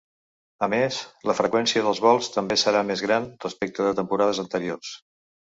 A més, la freqüència dels vols també serà més gran respecte de temporades anteriors.